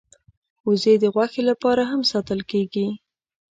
وزې د غوښې لپاره هم ساتل کېږي